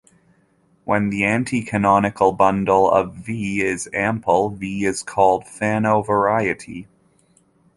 When the anticanonical bundle of V is ample V is called Fano variety.